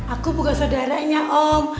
aku bukan saudaranya om